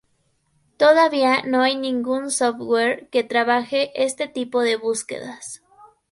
Todavía no hay ningún software que trabaje este tipo de búsquedas.